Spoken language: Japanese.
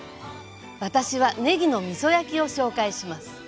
私はねぎのみそ焼きを紹介します。